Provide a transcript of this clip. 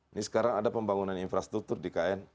ini sekarang ada pembangunan infrastruktur di kn